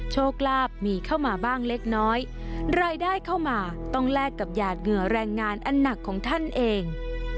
โชคลาภมีเข้ามาบ้างเล็กน้อยรายได้เข้ามาต้องแลกกับหยาดเหงื่อแรงงานอันหนักของท่านเอง